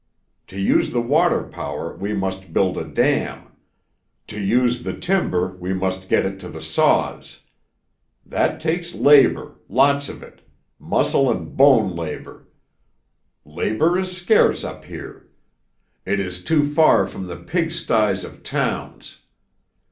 To use the water power we must build a dam; to use the timber we must get it to the saws. That takes labour, lots of it—muscle and bone labour. Labour is scarce up here. It is too far from the pigsties of towns.